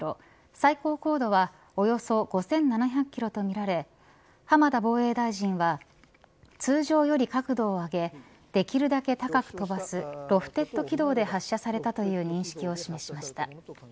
最高高度はおよそ５７００キロとみられ浜田防衛大臣は、通常より角度を上げできるだけ高く飛ばすロフテッド軌道で発射されたという認識を示しました。